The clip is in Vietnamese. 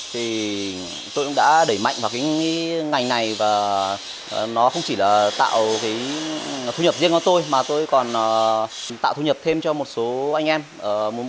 thì tôi cũng đã đẩy mạnh vào cái ngành này và nó không chỉ là tạo cái thu nhập riêng cho tôi mà tôi còn tạo thu nhập thêm cho một số anh em một số thanh niên ở tại địa phương mình